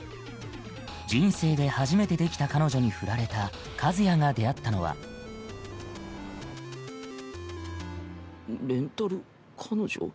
人生で初めてできた彼女にフラれた和也が出会ったのは「レンタル彼女」？